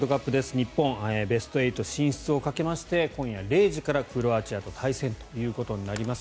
日本、ベスト８進出をかけまして今夜０時からクロアチアと対戦ということになります。